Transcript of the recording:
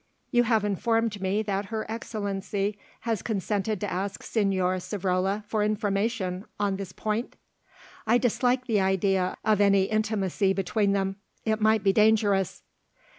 "You have informed me that Her Excellency has consented to ask Señor Savrola for information on this point?" "I dislike the idea of any intimacy between them; it might be dangerous."